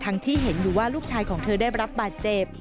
ที่เห็นอยู่ว่าลูกชายของเธอได้รับบาดเจ็บ